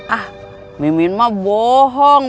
ah mimin mah bohong